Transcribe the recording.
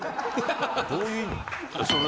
・どういう意味？